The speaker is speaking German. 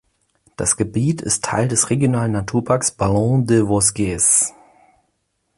Das Gebiet ist Teil des Regionalen Naturparks Ballons des Vosges.